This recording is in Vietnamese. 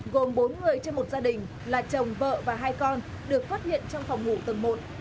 gồm bốn người trong một gia đình là chồng vợ và hai con được phát hiện trong phòng ngủ tầng một